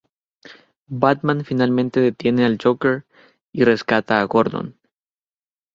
Batman finalmente detiene al Joker y rescata a Gordon.